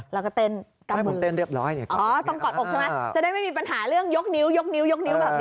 แล้วก็เต้นกับมืออ๋อต้องกอดอกใช่ไหมจะได้ไม่มีปัญหาเรื่องยกนิ้วแบบนี้นะ